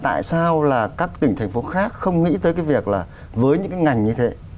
tại sao là các tỉnh thành phố khác không nghĩ tới cái việc là với những cái ngành như thế